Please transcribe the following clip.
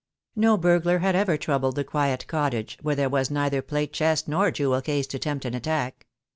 No burglar had ever troubled the quiet cottage, where there was neither plate chest nor jewel case to tempt an attack.